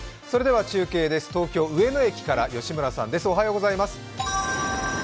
中継です、東京・上野駅から吉村さんです。